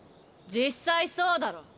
実際そうだろ。